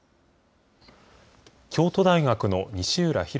京都大学の西浦博